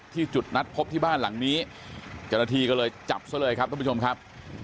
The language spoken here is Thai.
ที่จุดนัดพบที่บ้านหลังนี้กรณฑีก็เลยจับซะเลยครับทุกผู้ชมครับ